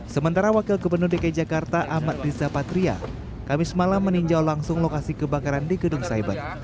sementara wakil gubernur dki jakarta ahmad riza patria kamis malam meninjau langsung lokasi kebakaran di gedung cyber